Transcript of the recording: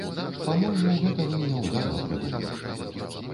Па-мойму, гэта вы няўдала прыдумалі.